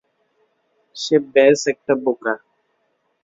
সে ব্যস একটা বোকা।